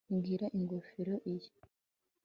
Mbwira ingofero iyi